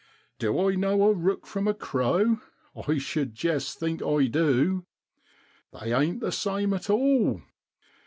Du I know a rook from a crow ? I shud jest think I du. They ain't the same at all.